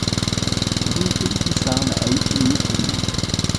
Rue Félicie Charles à Isigny-sur-Mer